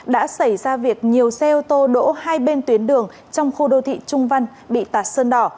đã xảy ra việc nhiều xe ô tô đỗ hai bên tuyến đường trong khu đô thị trung văn bị tạt sơn đỏ